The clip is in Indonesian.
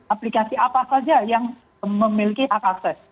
aplikasi apa saja yang memiliki hak akses